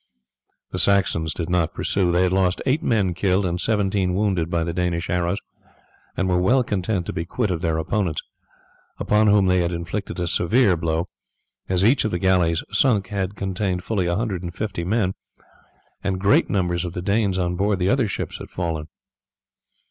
The Saxons did not pursue. They had lost eight men killed, and seventeen wounded by the Danish arrows, and were well content to be quit of their opponents, upon whom they had inflicted a severe blow, as each of the galleys sunk had contained fully a hundred and fifty men, and great numbers of the Danes on board the other ships had fallen.